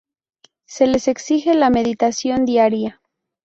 Se les exige la meditación diaria.